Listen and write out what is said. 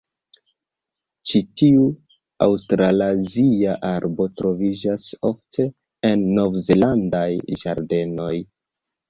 Ĉi tiu aŭstralazia arbo troviĝis ofte en nov-zelandaj ĝardenoj.